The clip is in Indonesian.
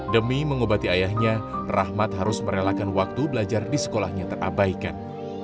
demi mengobati ayahnya rahmat harus merelakan waktu belajar di sekolahnya terabaikan